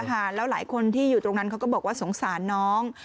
ค่ะแล้วหลายคนที่อยู่ตรงนั้นเขาก็บอกว่าสงสารน้อง